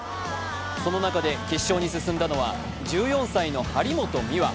その中で決勝に進んだのは１４歳の張本美和。